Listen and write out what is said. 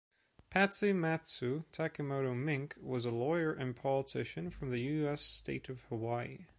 Patsy Matsu Takemoto Mink was a lawyer and politician from the U.S. state of Hawaii.